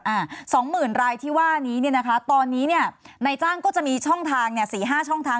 อ่าสองหมื่นรายที่ว่านี้เนี่ยนะคะตอนนี้เนี่ยในจ้างก็จะมีช่องทางเนี้ยสี่ห้าช่องทาง